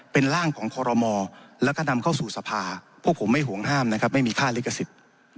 เป็นร่างของคอรมอแล้วก็นำเข้าสู่สภาพวกผมไม่ห่วงห้ามนะครับไม่มีค่าลิขสิทธิ์